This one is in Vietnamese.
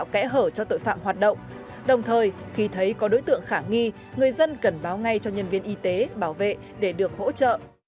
khi thấy có đối tượng khả nghi người dân cần báo ngay cho nhân viên y tế bảo vệ để được hỗ trợ